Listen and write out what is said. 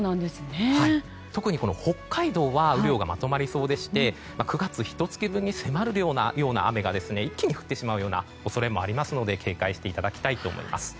特に北海道は雨量がまとまりそうでして９月ひと月分に迫るような量が一気に降ってしまうような恐れもありますので警戒していただきたいと思います。